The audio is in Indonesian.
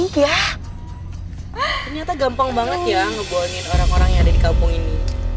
wah ternyata gampang banget ya ngebuangin orang orang yang ada di kampung ini